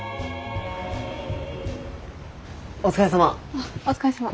お疲れさま。